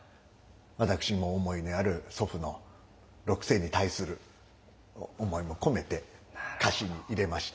私も思いにある祖父の六世に対する思いも込めて歌詞に入れました。